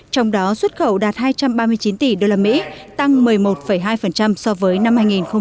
trong đó xuất khẩu đạt hai trăm ba mươi chín tỷ usd tăng một mươi một hai so với năm hai nghìn một mươi tám